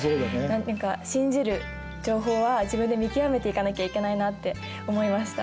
何て言うか信じる情報は自分で見極めていかなきゃいけないなって思いました。